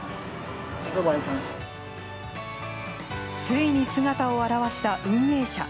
ついに姿を現した運営者。